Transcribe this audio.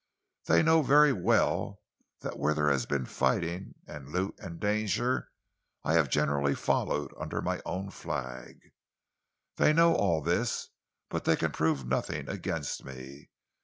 They know very well that where there has been fighting and loot and danger, I have generally followed under my own flag. They know all this, but they can prove nothing against me.